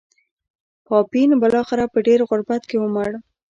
پاپین بلاخره په ډېر غربت کې ومړ.